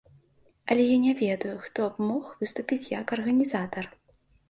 Але я не ведаю, хто б мог выступіць як арганізатар.